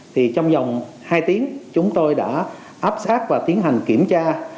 thì trong dòng hai tiếng chúng tôi đã áp sát và tiến hành kiểm tra